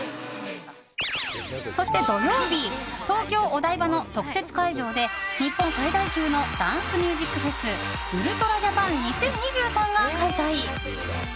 そして土曜日東京・お台場の特設会場で日本最大級のダンスミュージックフェスＵＬＴＲＡＪＡＰＡＮ２０２３が開催！